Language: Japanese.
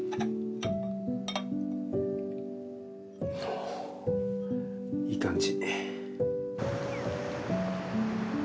おいい感じ。